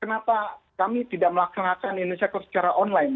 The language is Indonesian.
kenapa kami tidak melaksanakan indonesia secara online